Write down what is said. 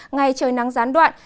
ngày trời nắng gián đoạn